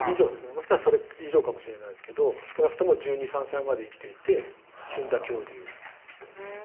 もしくはそれ以上かもしれないですけど少なくとも１２１３歳まで生きていて死んだ恐竜。